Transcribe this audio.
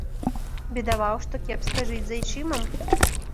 Бедаваў, што кепска жыць з айчымам.